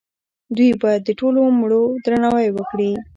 دوی باید د ټولو مړو درناوی وکړي.